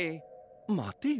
まてよ。